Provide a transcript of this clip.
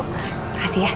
oke makasih ya